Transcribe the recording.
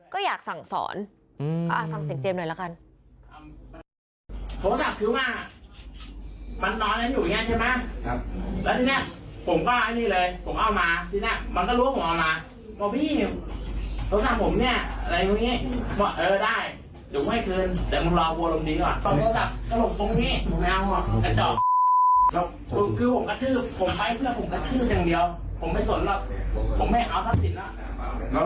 ก็อยากสั่งสอนฟังเสียงเจมส์หน่อยละกัน